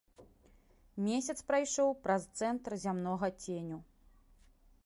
Месяц прайшоў праз цэнтр зямнога ценю.